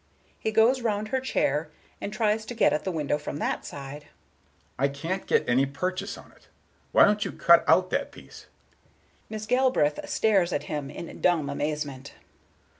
He goes round her chair and tries to get at the window from that side. "I can't get any purchase on it. Why don't you cut out that piece?" Miss Galbraith stares at him in dumb amazement.